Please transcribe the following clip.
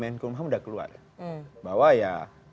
menkumham sudah keluar bahwa ya